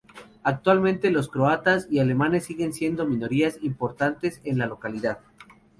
Actualmente los croatas y alemanes siguen siendo minorías importantes en la localidad.